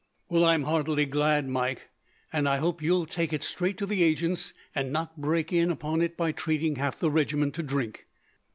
"Well, I am heartily glad, Mike; and I hope that you will take it straight to the agent's, and not break in upon it, by treating half the regiment to drink."